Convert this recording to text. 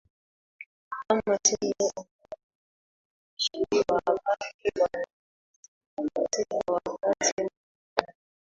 kama nchi ambayo waandishi wa habari wanapitia katika wakati mgumu